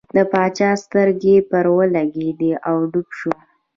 د باچا سترګې پر ولګېدې او ډوب شو.